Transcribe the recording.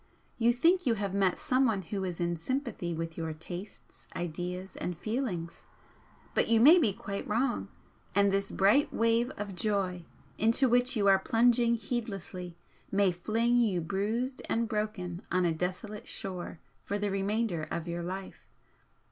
You think you have met someone who is in sympathy with your tastes, ideas and feelings, but you may be quite wrong, and this bright wave of joy into which you are plunging heedlessly may fling you bruised and broken on a desolate shore for the remainder of your life.